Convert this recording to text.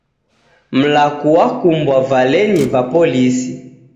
Mlaku wakumbwa valenyi va polisi